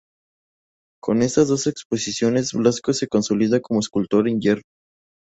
Con estas dos exposiciones Blasco se consolida como escultor en hierro.